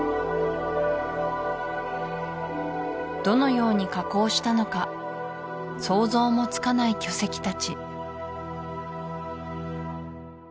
どのように加工したのか想像もつかない巨石たち